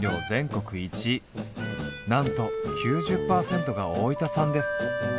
なんと９０％が大分産です。